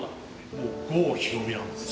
もう郷ひろみなんですね。